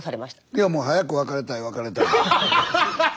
いやもう早く別れたい別れたいって。